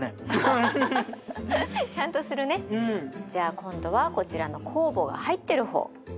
じゃあ今度はこちらの酵母が入ってる方。